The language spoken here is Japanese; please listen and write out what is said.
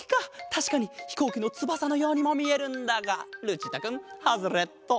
たしかにひこうきのつばさのようにもみえるんだがルチータくんハズレット！